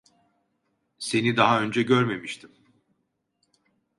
Seni daha önce görmemiştim.